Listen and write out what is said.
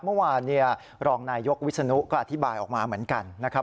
เมื่อวานรองนายยกวิศนุก็อธิบายออกมาเหมือนกันนะครับ